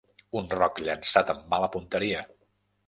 Un roc llançat amb mala punteria.